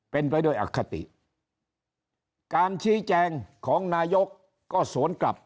เป็นไปด้วยอคติการชี้แจงของนายกก็สวนกลับ